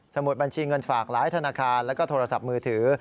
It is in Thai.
มุดบัญชีเงินฝากหลายธนาคารแล้วก็โทรศัพท์มือถือ